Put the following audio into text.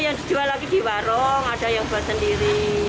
yang dijual lagi di warung ada yang buat sendiri